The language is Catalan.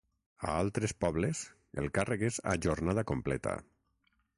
A altres pobles, el càrrec és a jornada completa.